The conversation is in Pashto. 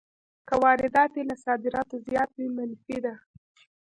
که واردات یې له صادراتو زیات وي منفي ده